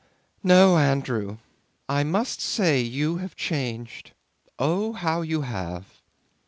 "No, Andrew, I must say you have changed. Oh, how you have...."